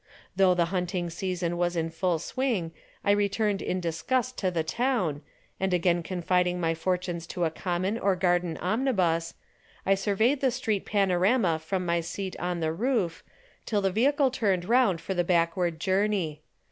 Though the hunting season was in full swing I returned in disgust to the town, and again confiding my fortunes to a common or garden omnibus, I surveyed the street panorama from my seat on the roof till the vehicle turned round for the backward journey.